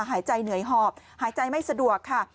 หายใจเหนื่อยหอบหายใจไม่สะดวกค่ะ